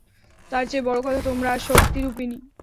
তার চেয়ে বড়ো কথা তোমারা শক্তিরূপিণী।